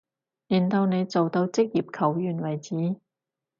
練到你做到職業球員為止